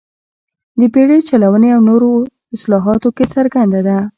د بېړۍ چلونې او نورو اصلاحاتو کې څرګنده ده.